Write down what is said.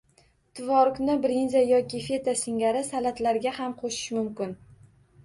Tvorogni brinza yoki feta singari salatlarga ham qo‘shish mumkin